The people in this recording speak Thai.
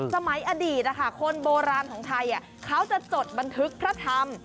สมัยอดีตคนโบราณของไทยเขาจะจดบันทึกพระธรรม